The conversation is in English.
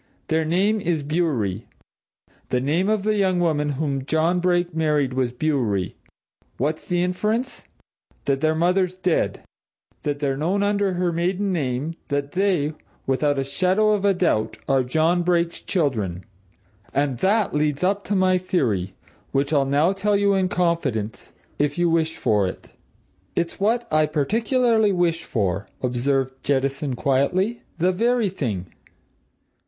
Their name is Bewery. The name of the young woman whom John Brake married was Bewery. What's the inference? That their mother's dead that they're known under her maiden name: that they, without a shadow of doubt, are John Brake's children. And that leads up to my theory which I'll now tell you in confidence if you wish for it." "It's what I particularly wish for," observed Jettison quietly. "The very thing!"